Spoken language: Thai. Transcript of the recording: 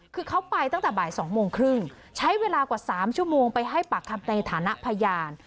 คือเขาไปตั้งแต่บ่าย๒โมงครึ่งใช้เวลากว่า๓ชั่วโมงไปให้ปากคำในฐานะพยาน